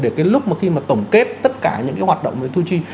để cái lúc mà khi mà tổng kết tất cả những cái hoạt động về thu chi